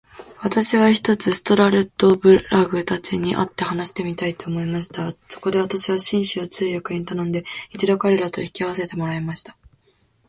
私は、ひとつストラルドブラグたちに会って話してみたいと思いました。そこで私は、紳士を通訳に頼んで、一度彼等と引き合せてもらいました。